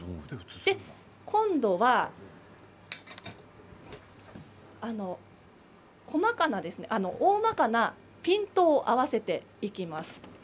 今度はおおまかなピントを合わせていきます。